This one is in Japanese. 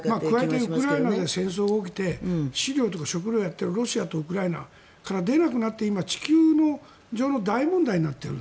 加えてウクライナで戦争が起きて飼料とか食料をやっているロシアとかウクライナから出なくなって地球上の大問題になっている。